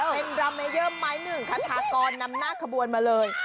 เป็นราเมเยิมไม้หนึ่งคาทากรนำหน้าขบวนมาเลย